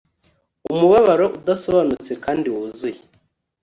Umubabaro udasobanutse kandi wuzuye